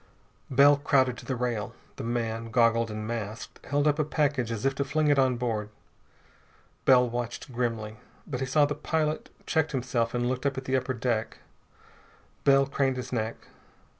Bell crowded to the rail. The man goggled and masked held up a package as if to fling it on board. Bell watched grimly. But he saw that the pilot checked himself and looked up at the upper deck. Bell craned his neck.